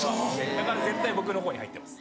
だから絶対僕の方に入ってます。